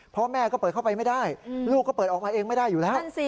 พ่อแม่ก็เปิดเข้าไปไม่ได้ลูกก็เปิดออกมาเองไม่ได้อยู่แล้ว